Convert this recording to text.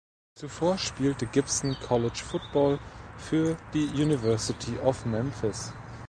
Zuvor spielte Gibson College Football für die University of Memphis.